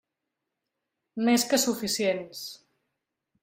Més que suficients.